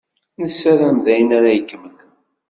Nessaram d ayen ara ikemmlen.